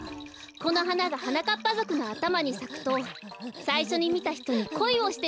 このはながはなかっぱぞくのあたまにさくとさいしょにみたひとにこいをしてしまうんです。